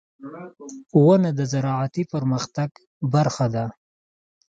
• ونه د زراعتي پرمختګ برخه ده.